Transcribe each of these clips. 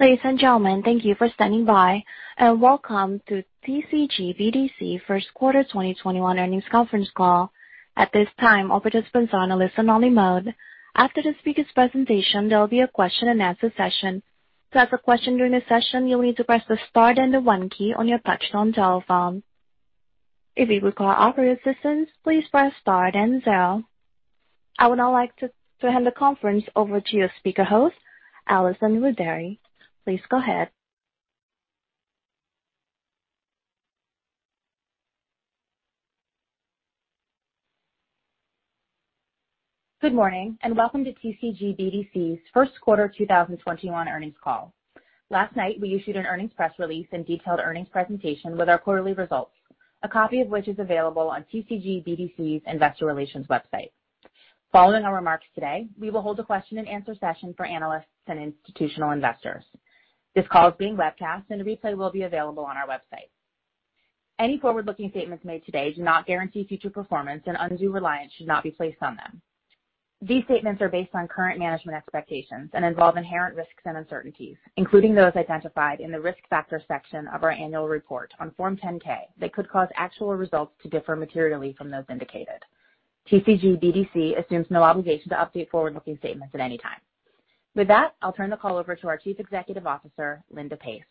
Ladies and gentlemen, thank you for standing by, welcome to TCG BDC first quarter 2021 earnings conference call. At this time, all participants are on a listen-only mode. After the speaker's presentation, there will be a question and answer session. To ask a question during the session, you'll need to press the star, then the one key on your touchtone telephone. If you require operator assistance, please press star, then zero. I would now like to hand the conference over to your speaker host, Allison Rudary. Please go ahead. Good morning. Welcome to TCG BDC's first quarter 2021 earnings call. Last night, we issued an earnings press release and detailed earnings presentation with our quarterly results, a copy of which is available on TCG BDC's investor relations website. Following our remarks today, we will hold a question and answer session for analysts and institutional investors. This call is being webcast, and a replay will be available on our website. Any forward-looking statements made today do not guarantee future performance, and undue reliance should not be placed on them. These statements are based on current management expectations and involve inherent risks and uncertainties, including those identified in the risk factor section of our annual report on Form 10-K, that could cause actual results to differ materially from those indicated. TCG BDC assumes no obligation to update forward-looking statements at any time. With that, I'll turn the call over to our Chief Executive Officer, Linda Pace.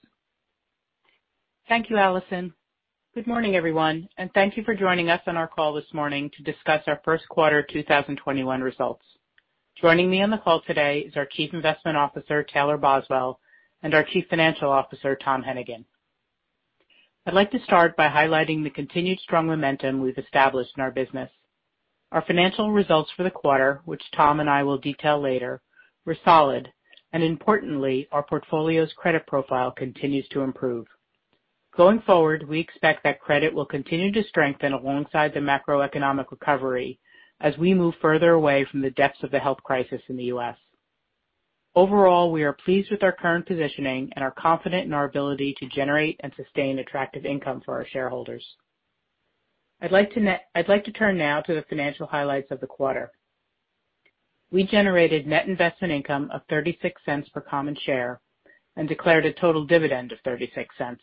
Thank you, Allison. Good morning, everyone, and thank you for joining us on our call this morning to discuss our first quarter 2021 results. Joining me on the call today is our Chief Investment Officer, Taylor Boswell, and our Chief Financial Officer, Tom Hennigan. I'd like to start by highlighting the continued strong momentum we've established in our business. Our financial results for the quarter, which Tom and I will detail later, were solid, and importantly, our portfolio's credit profile continues to improve. Going forward, we expect that credit will continue to strengthen alongside the macroeconomic recovery as we move further away from the depths of the health crisis in the U.S. Overall, we are pleased with our current positioning and are confident in our ability to generate and sustain attractive income for our shareholders. I'd like to turn now to the financial highlights of the quarter. We generated net investment income of $0.36 per common share and declared a total dividend of $0.36.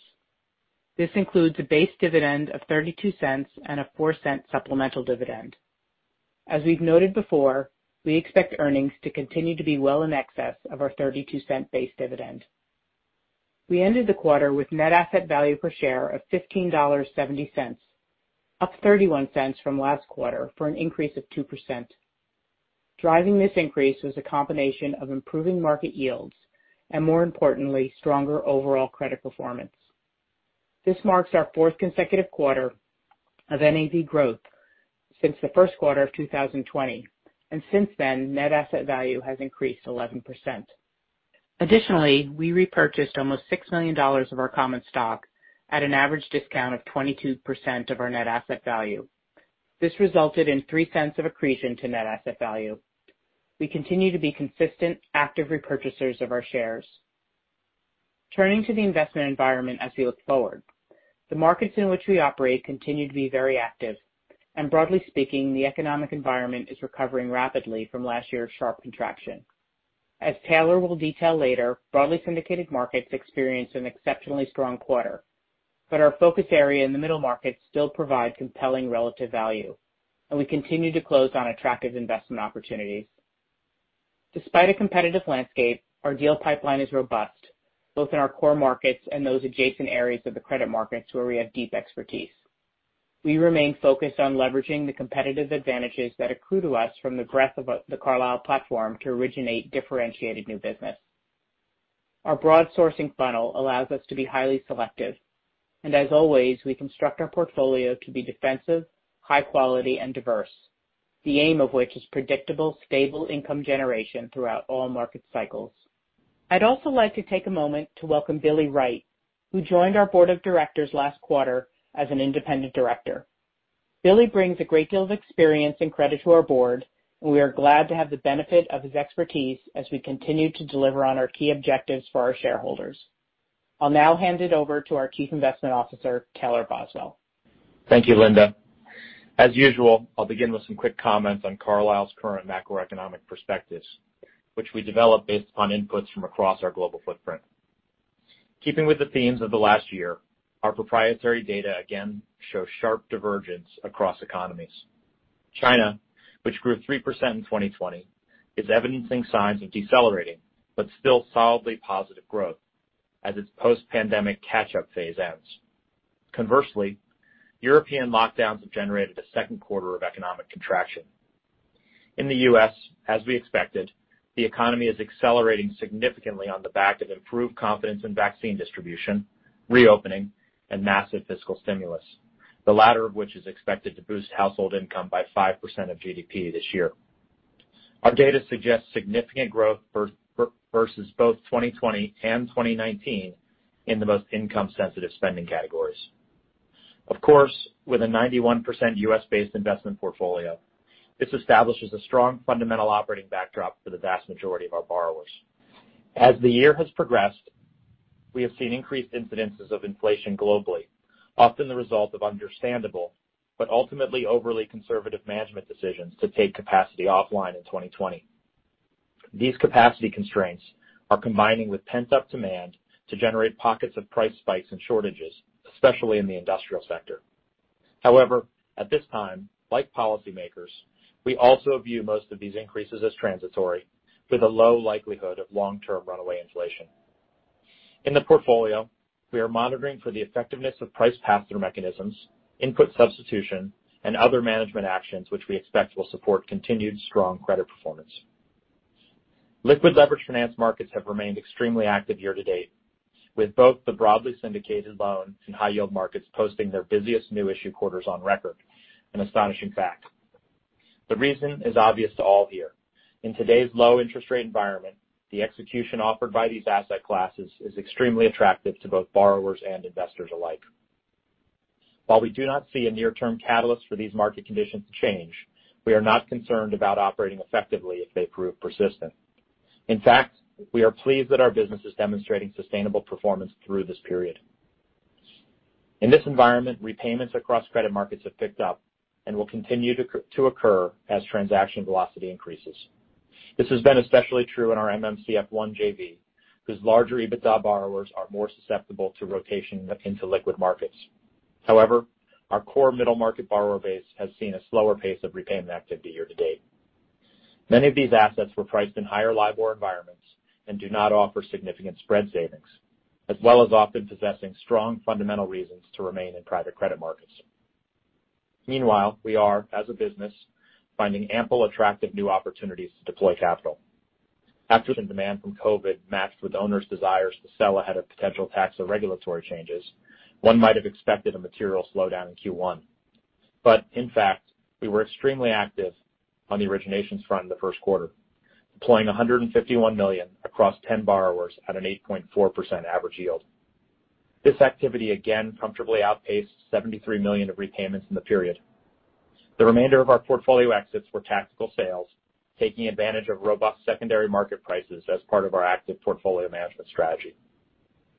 This includes a base dividend of $0.32 and a $0.04 supplemental dividend. As we've noted before, we expect earnings to continue to be well in excess of our $0.32 base dividend. We ended the quarter with net asset value per share of $15.70, up $0.31 from last quarter for an increase of 2%. Driving this increase was a combination of improving market yields, and more importantly, stronger overall credit performance. This marks our fourth consecutive quarter of NAV growth since the first quarter of 2020. Since then, net asset value has increased 11%. Additionally, we repurchased almost $6 million of our common stock at an average discount of 22% of our net asset value. This resulted in $0.03 of accretion to net asset value. We continue to be consistent, active repurchasers of our shares. Turning to the investment environment as we look forward. The markets in which we operate continue to be very active. Broadly speaking, the economic environment is recovering rapidly from last year's sharp contraction. As Taylor will detail later, broadly syndicated markets experienced an exceptionally strong quarter, but our focus area in the middle markets still provide compelling relative value. We continue to close on attractive investment opportunities. Despite a competitive landscape, our deal pipeline is robust, both in our core markets and those adjacent areas of the credit markets where we have deep expertise. We remain focused on leveraging the competitive advantages that accrue to us from the breadth of the Carlyle platform to originate differentiated new business. Our broad sourcing funnel allows us to be highly selective, as always, we construct our portfolio to be defensive, high quality, and diverse, the aim of which is predictable, stable income generation throughout all market cycles. I'd also like to take a moment to welcome Billy Wright, who joined our Board of Directors last quarter as an Independent Director. Billy brings a great deal of experience and credit to our Board, we are glad to have the benefit of his expertise as we continue to deliver on our key objectives for our shareholders. I'll now hand it over to our Chief Investment Officer, Taylor Boswell. Thank you, Linda. As usual, I'll begin with some quick comments on Carlyle's current macroeconomic perspectives, which we develop based upon inputs from across our global footprint. Keeping with the themes of the last year, our proprietary data again shows sharp divergence across economies. China, which grew 3% in 2020, is evidencing signs of decelerating but still solidly positive growth as its post-pandemic catch-up phase ends. Conversely, European lockdowns have generated a second quarter of economic contraction. In the U.S., as we expected, the economy is accelerating significantly on the back of improved confidence in vaccine distribution, reopening, and massive fiscal stimulus, the latter of which is expected to boost household income by 5% of GDP this year. Our data suggests significant growth versus both 2020 and 2019 in the most income-sensitive spending categories. Of course, with a 91% U.S.-based investment portfolio, this establishes a strong fundamental operating backdrop for the vast majority of our borrowers. As the year has progressed, we have seen increased incidences of inflation globally, often the result of understandable but ultimately overly conservative management decisions to take capacity offline in 2020. These capacity constraints are combining with pent-up demand to generate pockets of price spikes and shortages, especially in the industrial sector. At this time, like policymakers, we also view most of these increases as transitory, with a low likelihood of long-term runaway inflation. In the portfolio, we are monitoring for the effectiveness of price pass-through mechanisms, input substitution, and other management actions which we expect will support continued strong credit performance. Liquid leverage finance markets have remained extremely active year-to-date, with both the broadly syndicated loan and high yield markets posting their busiest new issue quarters on record, an astonishing fact. The reason is obvious to all here. In today's low interest rate environment, the execution offered by these asset classes is extremely attractive to both borrowers and investors alike. While we do not see a near-term catalyst for these market conditions to change, we are not concerned about operating effectively if they prove persistent. In fact, we are pleased that our business is demonstrating sustainable performance through this period. In this environment, repayments across credit markets have picked up and will continue to occur as transaction velocity increases. This has been especially true in our MMCF1 JV, whose larger EBITDA borrowers are more susceptible to rotation into liquid markets. However, our core middle-market borrower base has seen a slower pace of repayment activity year-to-date. Many of these assets were priced in higher LIBOR environments and do not offer significant spread savings, as well as often possessing strong fundamental reasons to remain in private credit markets. Meanwhile, we are, as a business, finding ample attractive new opportunities to deploy capital. After the demand from COVID matched with owners' desires to sell ahead of potential tax or regulatory changes, one might have expected a material slowdown in Q1. In fact, we were extremely active on the originations front in the first quarter, deploying $151 million across 10 borrowers at an 8.4% average yield. This activity again comfortably outpaced $73 million of repayments in the period. The remainder of our portfolio exits were tactical sales, taking advantage of robust secondary market prices as part of our active portfolio management strategy.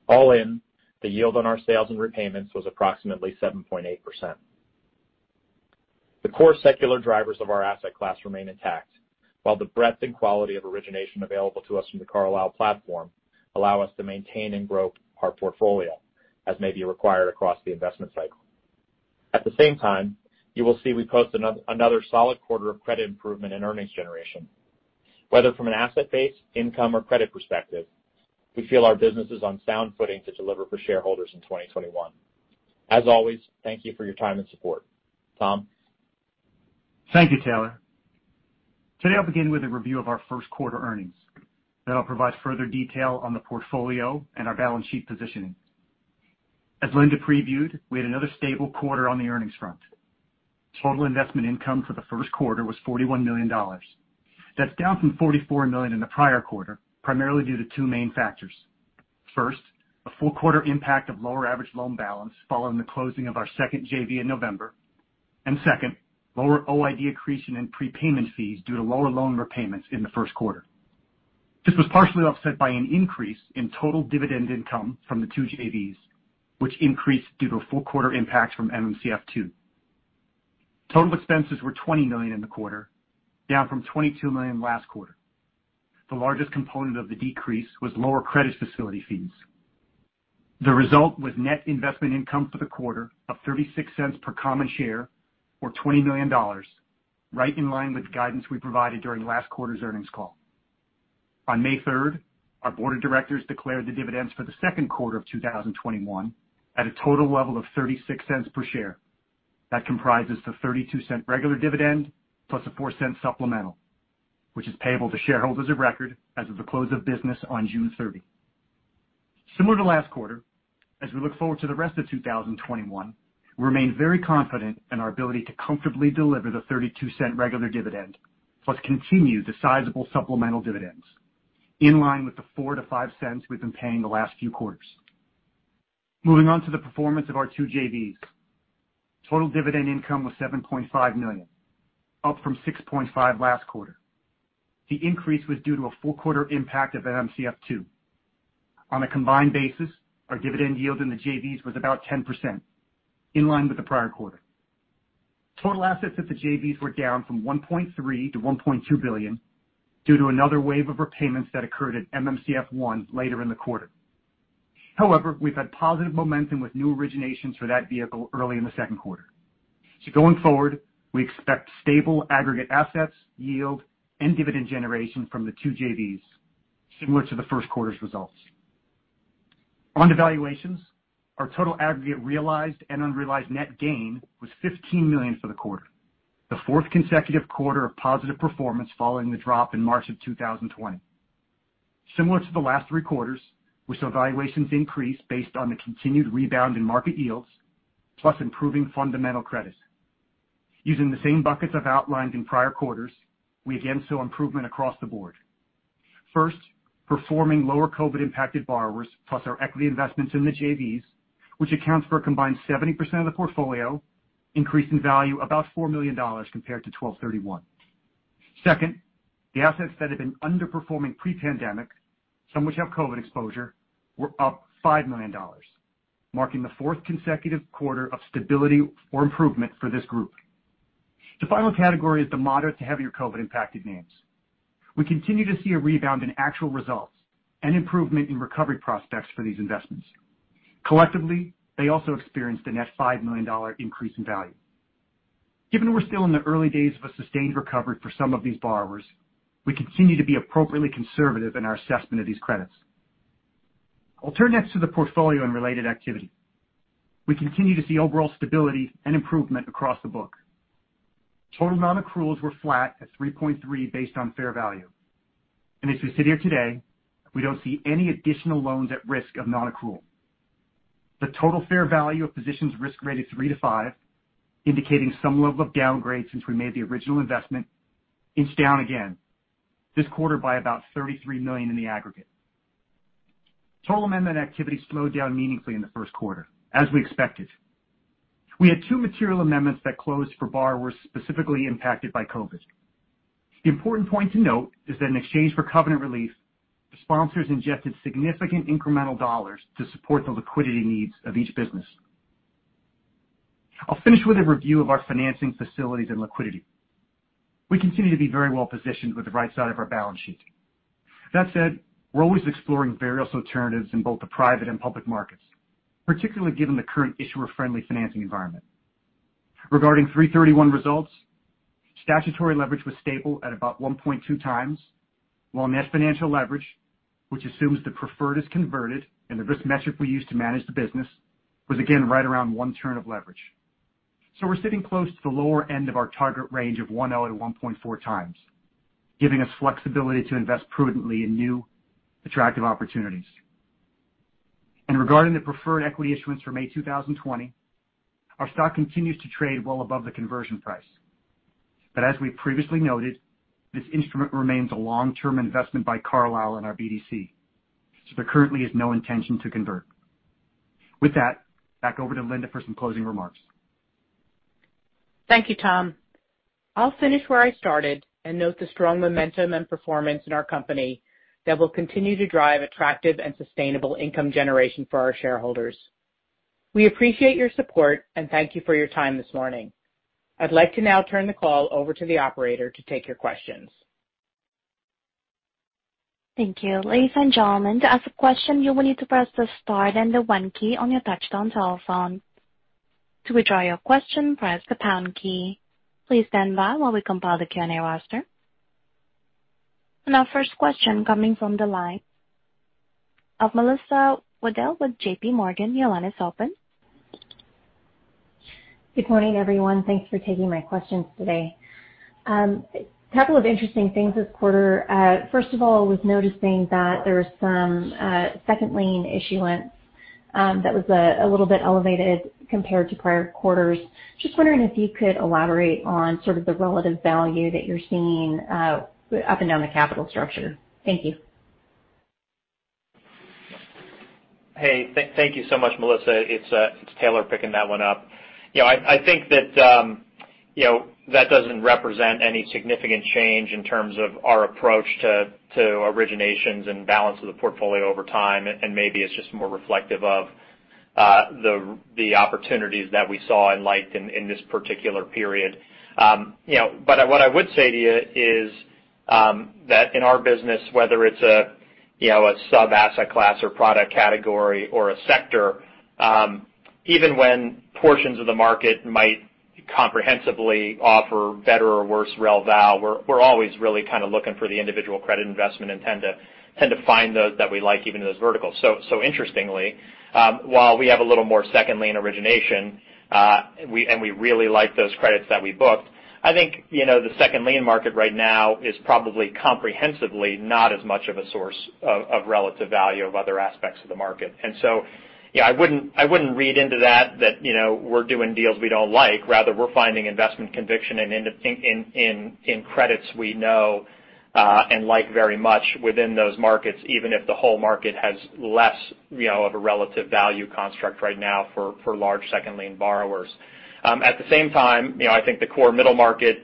All in, the yield on our sales and repayments was approximately 7.8%. The core secular drivers of our asset class remain intact, while the breadth and quality of origination available to us from the Carlyle platform allow us to maintain and grow our portfolio as may be required across the investment cycle. At the same time, you will see we post another solid quarter of credit improvement in earnings generation. Whether from an asset base, income, or credit perspective, we feel our business is on sound footing to deliver for shareholders in 2021. As always, thank you for your time and support. Tom? Thank you, Taylor. Today, I'll begin with a review of our first quarter earnings. I'll provide further detail on the portfolio and our balance sheet positioning. As Linda previewed, we had another stable quarter on the earnings front. Total investment income for the first quarter was $41 million. That's down from $44 million in the prior quarter, primarily due to two main factors. First, a full quarter impact of lower average loan balance following the closing of our second JV in November. Second, lower OID accretion and prepayment fees due to lower loan repayments in the first quarter. This was partially offset by an increase in total dividend income from the two JVs, which increased due to a full quarter impact from MMCF2. Total expenses were $20 million in the quarter, down from $22 million last quarter. The largest component of the decrease was lower credit facility fees. The result was net investment income for the quarter of $0.36 per common share or $20 million, right in line with the guidance we provided during last quarter's earnings call. On May 3rd, our board of directors declared the dividends for the second quarter of 2021 at a total level of $0.36 per share. That comprises the $0.32 regular dividend plus a $0.04 supplemental, which is payable to shareholders of record as of the close of business on June 30. Similar to last quarter, as we look forward to the rest of 2021, we remain very confident in our ability to comfortably deliver the $0.32 regular dividend, plus continue the sizable supplemental dividends in line with the $0.04-$0.05 we've been paying the last few quarters. Moving on to the performance of our two JVs. Total dividend income was $7.5 million, up from $6.5 last quarter. The increase was due to a full quarter impact of MMCF2. On a combined basis, our dividend yield in the JVs was about 10%, in line with the prior quarter. Total assets at the JVs were down from $1.3 billion-$1.2 billion due to another wave of repayments that occurred at MMCF1 later in the quarter. We've had positive momentum with new originations for that vehicle early in the second quarter. Going forward, we expect stable aggregate assets, yield, and dividend generation from the two JVs similar to the first quarter's results. On to valuations. Our total aggregate realized and unrealized net gain was $15 million for the quarter, the fourth consecutive quarter of positive performance following the drop in March of 2020. Similar to the last three quarters, we saw valuations increase based on the continued rebound in market yields, plus improving fundamental credits. Using the same buckets I've outlined in prior quarters, we again saw improvement across the board. First, performing lower COVID-impacted borrowers, plus our equity investments in the JVs, which accounts for a combined 70% of the portfolio, increased in value about $4 million compared to $12.31. Second, the assets that have been underperforming pre-pandemic, some which have COVID exposure, were up $5 million, marking the fourth consecutive quarter of stability or improvement for this group. The final category is the moderate to heavier COVID-impacted names. We continue to see a rebound in actual results and improvement in recovery prospects for these investments. Collectively, they also experienced a net $5 million increase in value. Given we're still in the early days of a sustained recovery for some of these borrowers, we continue to be appropriately conservative in our assessment of these credits. I'll turn next to the portfolio and related activity. We continue to see overall stability and improvement across the book. Total non-accruals were flat at 3.3 based on fair value. As we sit here today, we don't see any additional loans at risk of non-accrual. The total fair value of positions risk-rated 3-5, indicating some level of downgrade since we made the original investment, is down again this quarter by about $33 million in the aggregate. Total amendment activity slowed down meaningfully in the first quarter, as we expected. We had two material amendments that closed for borrowers specifically impacted by COVID. The important point to note is that in exchange for covenant relief, the sponsors ingested significant incremental dollars to support the liquidity needs of each business. I'll finish with a review of our financing facilities and liquidity. We continue to be very well-positioned with the right side of our balance sheet. That said, we're always exploring various alternatives in both the private and public markets, particularly given the current issuer-friendly financing environment. Regarding 331 results, statutory leverage was stable at about 1.2x, while net financial leverage, which assumes the preferred is converted and the risk metric we use to manage the business, was again right around one turn of leverage. We're sitting close to the lower end of our target range of 1.0x to 1.4x, giving us flexibility to invest prudently in new attractive opportunities. Regarding the preferred equity issuance from May 2020, our stock continues to trade well above the conversion price. As we previously noted, this instrument remains a long-term investment by Carlyle and our BDC, there currently is no intention to convert. With that, back over to Linda for some closing remarks. Thank you, Tom. I'll finish where I started and note the strong momentum and performance in our company that will continue to drive attractive and sustainable income generation for our shareholders. We appreciate your support and thank you for your time this morning. I'd like to now turn the call over to the operator to take your questions. Thank you. Ladies and gentlemen, to ask a question, you will need to press the star then the one key on your touch-tone telephone. To withdraw your question, press the pound key. Please stand by while we compile the Q&A roster. Our first question coming from the line of Melissa Wedel with JPMorgan. Your line is open. Good morning, everyone. Thanks for taking my questions today. Couple of interesting things this quarter. First of all, I was noticing that there was some second lien issuance that was a little bit elevated compared to prior quarters. Just wondering if you could elaborate on sort of the relative value that you're seeing up and down the capital structure. Thank you. Hey, thank you so much, Melissa. It's Taylor picking that one up. I think that doesn't represent any significant change in terms of our approach to originations and balance of the portfolio over time. Maybe it's just more reflective of the opportunities that we saw and liked in this particular period. What I would say to you is that in our business, whether it's a sub-asset class or product category or a sector, even when portions of the market might comprehensively offer better or worse rel val, we're always really kind of looking for the individual credit investment and tend to find those that we like even in those verticals. Interestingly, while we have a little more second lien origination, and we really like those credits that we booked, I think the second lien market right now is probably comprehensively not as much of a source of relative value of other aspects of the market. I wouldn't read into that we're doing deals we don't like. Rather, we're finding investment conviction and in credits we know and like very much within those markets, even if the whole market has less of a relative value construct right now for large second lien borrowers. At the same time, I think the core middle market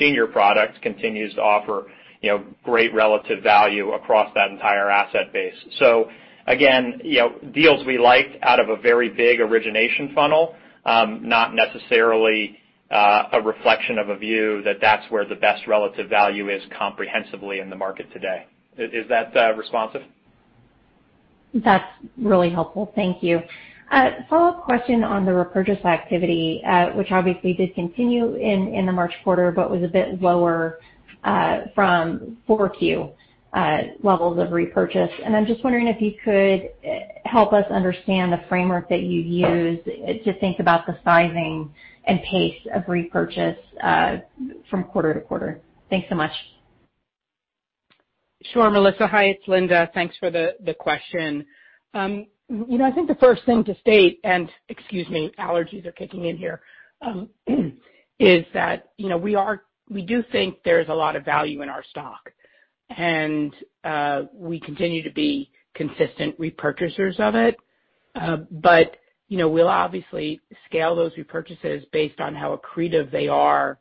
senior product continues to offer great relative value across that entire asset base. Again, deals we liked out of a very big origination funnel, not necessarily a reflection of a view that that's where the best relative value is comprehensively in the market today. Is that responsive? That's really helpful. Thank you. A follow-up question on the repurchase activity, which obviously did continue in the March quarter but was a bit lower from 4Q levels of repurchase. I'm just wondering if you could help us understand the framework that you use to think about the sizing and pace of repurchase from quarter to quarter. Thanks so much. Sure, Melissa. Hi, it's Linda. Thanks for the question. I think the first thing to state, and excuse me, allergies are kicking in here is that we do think there's a lot of value in our stock, and we continue to be consistent repurchasers of it. We'll obviously scale those repurchases based on how accretive they are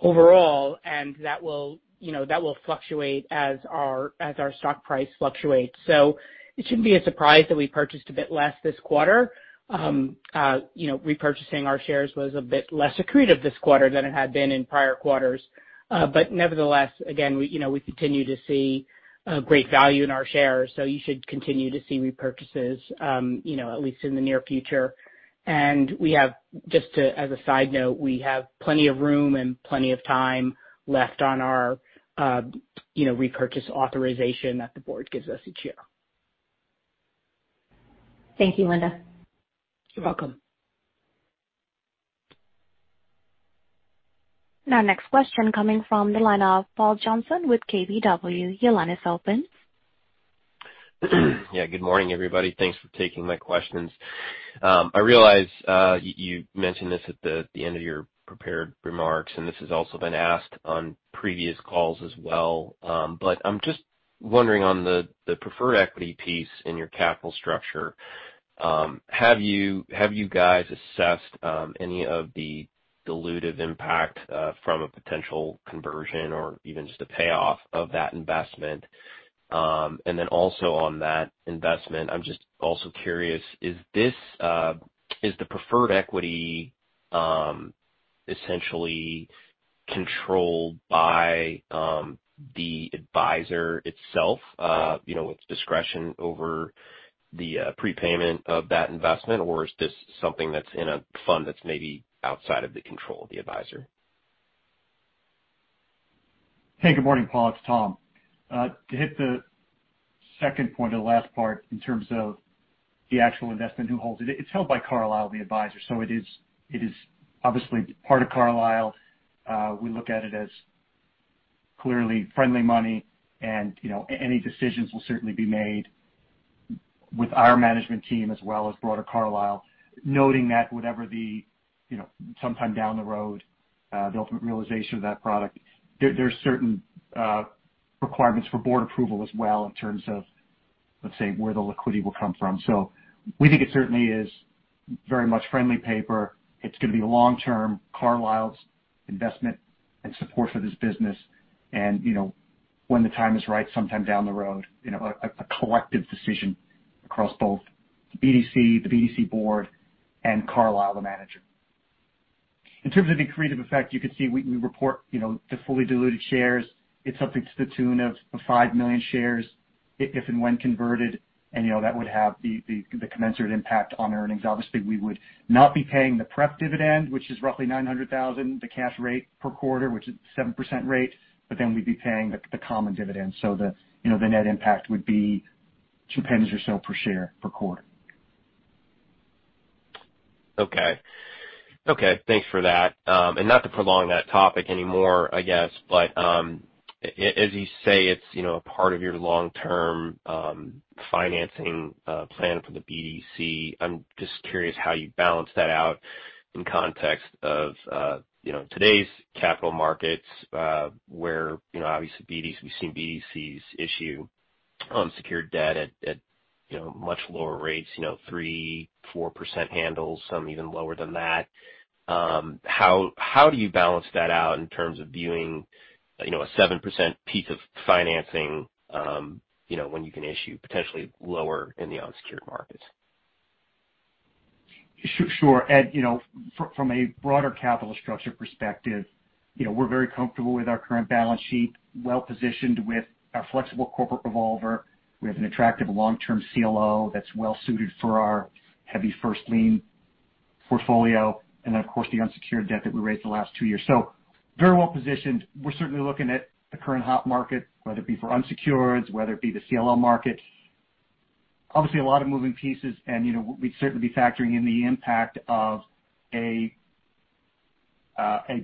overall, and that will fluctuate as our stock price fluctuates. It shouldn't be a surprise that we purchased a bit less this quarter. Repurchasing our shares was a bit less accretive this quarter than it had been in prior quarters. Nevertheless, again, we continue to see great value in our shares, so you should continue to see repurchases at least in the near future. Just as a side note, we have plenty of room and plenty of time left on our repurchase authorization that the board gives us each year. Thank you, Linda. You're welcome. Now, next question coming from the line of Paul Johnson with KBW. Your line is open. Yeah, good morning, everybody. Thanks for taking my questions. I realize you mentioned this at the end of your prepared remarks, and this has also been asked on previous calls as well. I'm just wondering on the preferred equity piece in your capital structure, have you guys assessed any of the dilutive impact from a potential conversion or even just a payoff of that investment? Also on that investment, I'm just also curious, is the preferred equity essentially controlled by the Adviser itself with discretion over the prepayment of that investment, or is this something that's in a fund that's maybe outside of the control of the Adviser? Hey, good morning, Paul. It's Tom. To hit the second point of the last part in terms of the actual investment, who holds it. It's held by Carlyle, the advisor. It is obviously part of Carlyle. We look at it as clearly friendly money, and any decisions will certainly be made with our management team as well as broader Carlyle, noting that whatever the, sometime down the road, the ultimate realization of that product. There are certain requirements for board approval as well in terms of, let's say, where the liquidity will come from. We think it certainly is very much friendly paper. It's going to be a long-term Carlyle's investment and support for this business. When the time is right, sometime down the road, a collective decision across both BDC, the BDC board, and Carlyle, the manager. In terms of the accretive effect, you can see we report the fully diluted shares. It's something to the tune of 5 million shares if and when converted, and that would have the commensurate impact on earnings. Obviously, we would not be paying the pref dividend, which is roughly $900,000, the cash rate per quarter, which is 7% rate, but then we'd be paying the common dividend. The net impact would be $0.02 or so per share per quarter. Okay. Thanks for that. Not to prolong that topic anymore, I guess, but as you say, it's a part of your long-term financing plan for the BDC. I'm just curious how you balance that out in context of today's capital markets, where obviously we've seen BDCs issue unsecured debt at much lower rates, 3%, 4% handles, some even lower than that. How do you balance that out in terms of viewing a 7% piece of financing when you can issue potentially lower in the unsecured markets? Sure. From a broader capital structure perspective, we're very comfortable with our current balance sheet, well-positioned with a flexible corporate revolver. We have an attractive long-term CLO that's well-suited for our heavy first lien portfolio. Then, of course, the unsecured debt that we raised the last two years. Very well-positioned. We're certainly looking at the current hot market, whether it be for unsecured, whether it be the CLO market. Obviously, a lot of moving pieces, and we'd certainly be factoring in the impact of a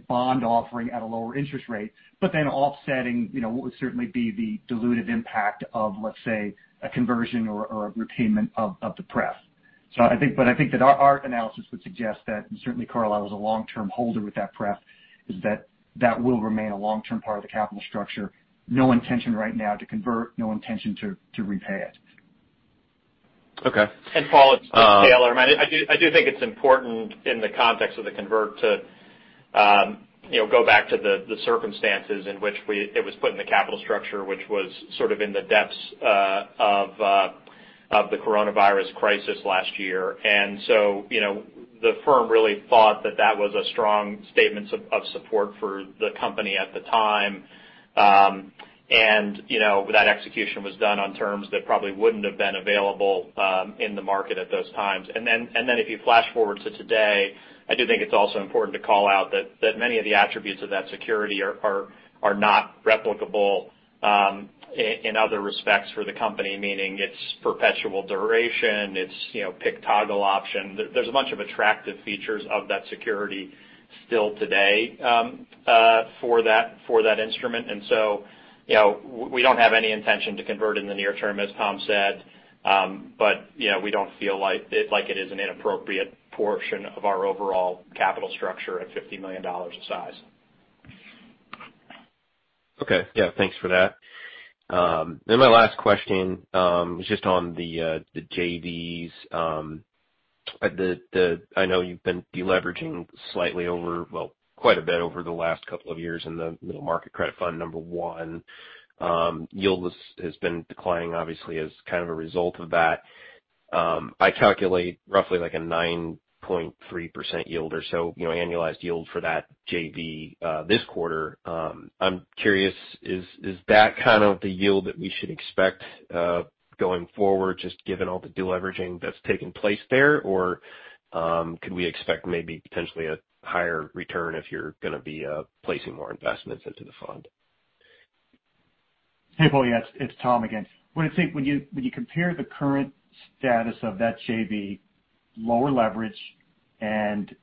bond offering at a lower interest rate, but then offsetting what would certainly be the dilutive impact of, let's say, a conversion or a repayment of the pref. I think that our analysis would suggest that certainly Carlyle is a long-term holder with that pref, is that that will remain a long-term part of the capital structure. No intention right now to convert, no intention to repay it. Okay. Paul, it's Taylor. I do think it's important in the context of the convert to go back to the circumstances in which it was put in the capital structure, which was sort of in the depths of the coronavirus crisis last year. The firm really thought that that was a strong statement of support for the company at the time. That execution was done on terms that probably wouldn't have been available in the market at those times. If you flash forward to today, I do think it's also important to call out that many of the attributes of that security are not replicable in other respects for the company, meaning its perpetual duration, its PIK toggle option. There's a bunch of attractive features of that security still today for that instrument. We don't have any intention to convert in the near term, as Tom said. We don't feel like it is an inappropriate portion of our overall capital structure at $50 million of size. Okay. Yeah, thanks for that. My last question is just on the JVs. I know you've been de-leveraging slightly over, well, quite a bit over the last couple of years in the Middle Market Credit Fund number one. Yield has been declining, obviously, as a result of that. I calculate roughly a 9.3% yield or so, annualized yield for that JV this quarter. I'm curious, is that the yield that we should expect going forward, just given all the de-leveraging that's taken place there? Or could we expect maybe potentially a higher return if you're going to be placing more investments into the fund? Hey, Paul. Yeah, it's Tom again. When you compare the current status of that JV, lower leverage, and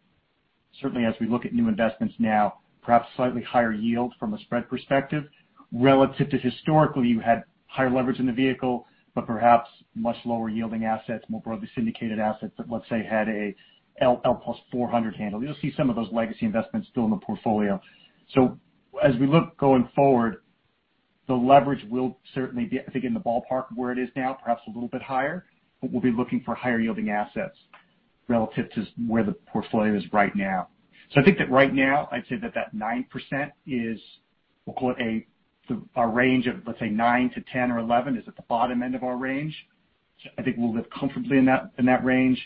certainly as we look at new investments now, perhaps slightly higher yield from a spread perspective relative to historically you had higher leverage in the vehicle, but perhaps much lower yielding assets, more broadly syndicated assets that, let's say, had a L+ plus 400 handle. You'll see some of those legacy investments still in the portfolio. As we look going forward, the leverage will certainly be, I think, in the ballpark of where it is now, perhaps a little bit higher. We'll be looking for higher yielding assets relative to where the portfolio is right now. I think that right now I'd say that that 9% is, we'll call it a range of, let's say, nine to 10 or 11 is at the bottom end of our range. I think we'll live comfortably in that range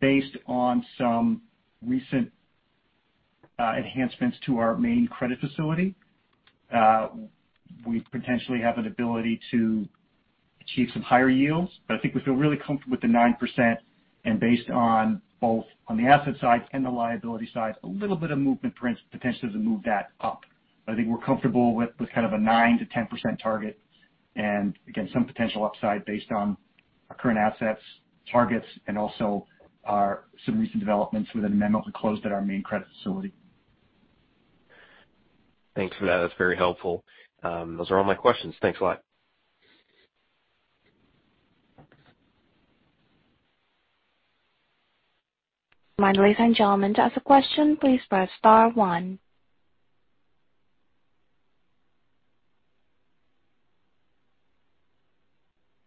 based on some recent enhancements to our main credit facility. We potentially have an ability to achieve some higher yields, but I think we feel really comfortable with the 9% and based on both on the asset side and the liability side, a little bit of movement potentially to move that up. I think we're comfortable with a 9%-10% target and again, some potential upside based on our current assets targets and also our some recent developments with an amendment we closed at our main credit facility. Thanks for that. That's very helpful. Those are all my questions. Thanks a lot. Remind ladies and gentlemen, to ask a question, please press star one.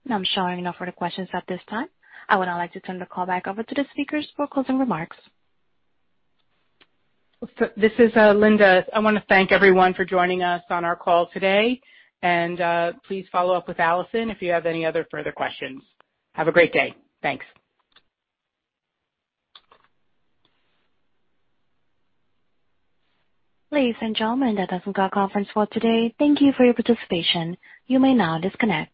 I'm showing no further questions at this time. I would now like to turn the call back over to the speakers for closing remarks. This is Linda. I want to thank everyone for joining us on our call today. Please follow up with Allison if you have any other further questions. Have a great day. Thanks. Ladies and gentlemen, that does conclude conference call today. Thank you for your participation. You may now disconnect.